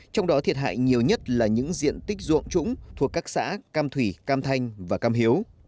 trong đó thiệt hại nhiều nhất là những diện tích ruộng trũng thuộc các xã cam thủy cam thanh và cam hiếu